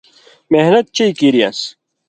محنت چئ کیریان٘س